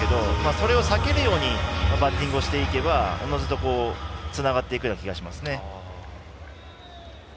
これを避けるようなバッティングをしていけばおのずとつながっていくような気がします。